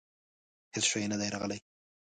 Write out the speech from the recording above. هیڅ شی نه دي راغلي.